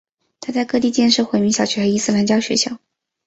他在各地建设回民小学和伊斯兰教学校。